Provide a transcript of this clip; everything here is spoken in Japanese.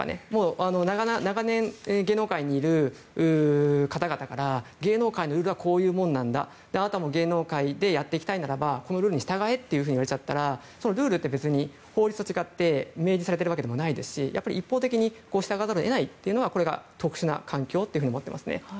長年、芸能界にいる方々から芸能界のルールはこういうものなんだ芸能界でやっていきたいならばこのルールに従えと言われてしまったらルールって法律と違って明示されているわけでもないので一方的に従わざるを得ないというのがこれが特殊な環境だと思っていますね。